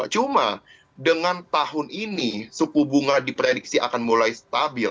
cuma dengan tahun ini suku bunga diprediksi akan mulai stabil